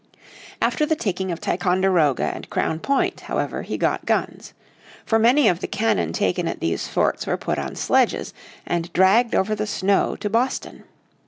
After the taking of Ticonderoga and Crown Point however he got guns. For many of the cannon taken at these forts were put on sledges and dragged over the snow to Boston.